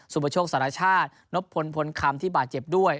ปโชคสารชาตินพลพลคำที่บาดเจ็บด้วย